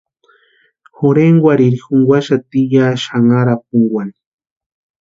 Jorhenkwarhiri junkwaxati ya xanharapunkwani.